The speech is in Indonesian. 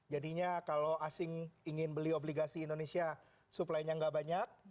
jadinya kalau asing ingin beli obligasi indonesia supply nya nggak banyak